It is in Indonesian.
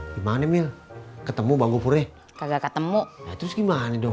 gimana emil ketemu mbak gopurnya kagak ketemu terus gimana dong